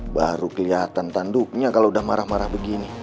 baru kelihatan tanduknya kalau udah marah marah begini